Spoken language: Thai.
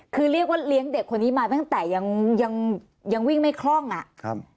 คือเรียกว่าเลี้ยงเด็กคนนี้มาตั้งแต่ยังยังวิ่งไม่คล่องอ่ะครับ